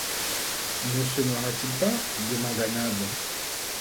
Ne se noiera-t-il pas ? demanda Nab